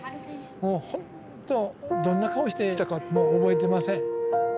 もうほんとどんな顔していたかも覚えてません。